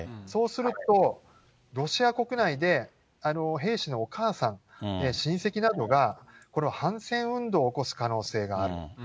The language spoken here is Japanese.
そうすると、ロシア国内で、兵士のお母さん、親戚などがこの反戦運動を起こす可能性がある。